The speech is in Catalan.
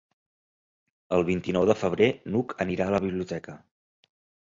El vint-i-nou de febrer n'Hug anirà a la biblioteca.